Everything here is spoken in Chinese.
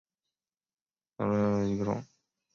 荸艾为千屈菜科荸艾属下的一个种。